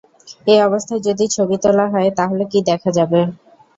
এ অবস্থায় যদি ছবি তোলা হয়, তাহলে কী দেখা যাবে?